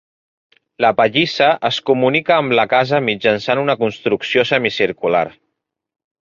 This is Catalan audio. La pallissa es comunica amb la casa mitjançant una construcció semicircular.